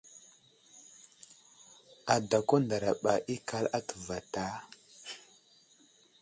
Adako ndaraɓa ikal atu vatá ?